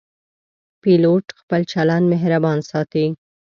پیلوټ خپل چلند مهربان ساتي.